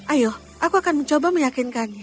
ayo aku akan mencoba meyakinkannya